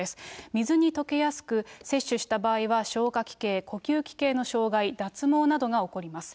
水に溶けやすく、摂取した場合は、消化器系、呼吸器系の障害、脱毛などが起こります。